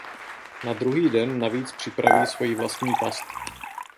Na druhý den navíc připraví svoji vlastní past.